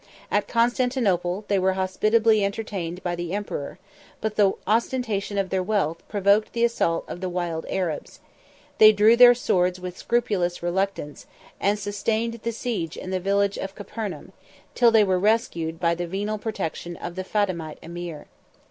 At Constantinople, they were hospitably entertained by the emperor; but the ostentation of their wealth provoked the assault of the wild Arabs: they drew their swords with scrupulous reluctance, and sustained siege in the village of Capernaum, till they were rescued by the venal protection of the Fatimite emir.